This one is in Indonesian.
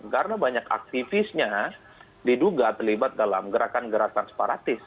karena banyak aktivisnya diduga terlibat dalam gerakan gerakan separatis